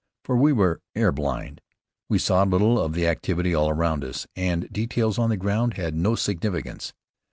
For we were air blind. We saw little of the activity all around us, and details on the ground had no significance.